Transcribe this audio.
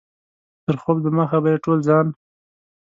تر خوب دمخه به یې ټول ځان.